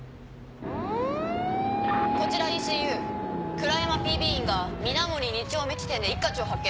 こちらＥＣＵ倉山ＰＢ員が水森２丁目地点で一課長を発見。